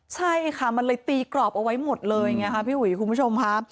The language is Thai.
ใช่ค่ะมันเลยตีกรอบเอาไว้หมดเลยไงค่ะพี่อุ๋ยคุณผู้ชมค่ะ